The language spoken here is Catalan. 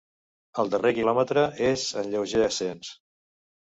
El darrer quilòmetre és en lleuger ascens.